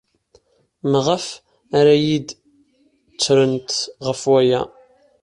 Maɣef ara iyi-d-ttrent ɣef waya?